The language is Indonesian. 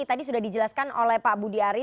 tadi sudah dijelaskan oleh pak budiari